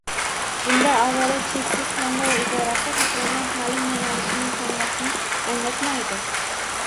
Bunda avvalo “cheksiz tanlov” iborasi xohlagan taʼlim yoʻnalishini tanlashni anglatmaydi.